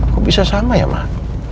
kok bisa sama ya mah